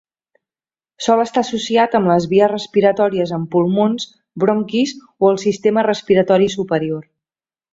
Sol estar associat amb les vies respiratòries en pulmons, bronquis o el sistema respiratori superior.